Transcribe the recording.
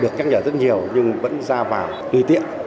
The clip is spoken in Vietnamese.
được nhắc nhở rất nhiều nhưng vẫn ra vào tùy tiện